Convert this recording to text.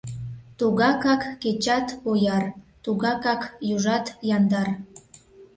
Тугакак кечат ояр, Тугакак южат яндар.